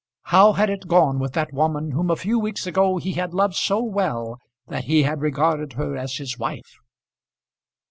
How had it gone with that woman whom a few weeks ago he had loved so well that he had regarded her as his wife?